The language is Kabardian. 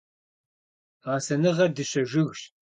Гъэсэныгъэр дыщэ жыгщ.